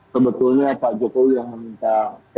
sebetulnya pak jokowi yang meminta